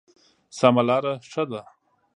سمه لاره ښه ده.